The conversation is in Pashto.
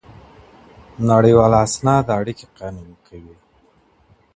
نړیوال اسناد اړیکي قانوني کوي.